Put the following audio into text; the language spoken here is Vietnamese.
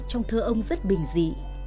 trong thơ ông rất bình dị